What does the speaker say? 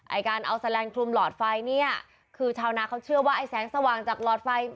ไอ้การเอาแสลงคลุมหลอดไฟเนี่ยคือชาวนาเขาเชื่อว่าไอ้แสงสว่างจากหลอดไฟ